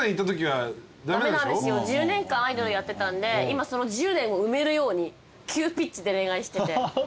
駄目なんですよ１０年間アイドルやってたんで今その１０年を埋めるように急ピッチで恋愛してて。